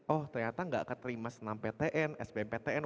oh ternyata gak keterima senam ptn spm ptn